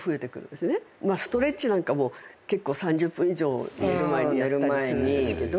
ストレッチなんかも３０分以上寝る前にやったりするんですけど。